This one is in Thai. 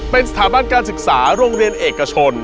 เป็นสถาบันการศึกษาโรงเรียนเอกชน